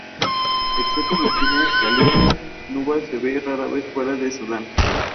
Las esporas se transforman en nuevas amebas cuando el alimento vuelve a estar disponible.